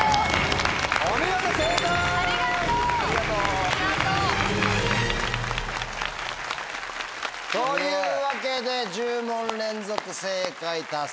お見事正解！というわけで１０問連続正解達成。